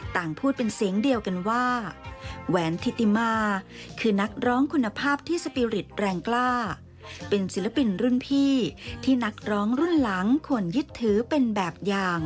ต่างพูดเป็นเสียงเดียวกันว่าแหวนธิติมาคือนักร้องคุณภาพที่สปีริตแรงกล้าเป็นศิลปินรุ่นพี่ที่นักร้องรุ่นหลังควรยึดถือเป็นแบบอย่าง